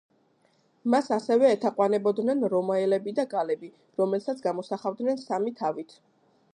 მას ასევე ეთაყვანებოდნენ რომაელები და გალები, რომელსაც გამოსახავდნენ სამი თავით.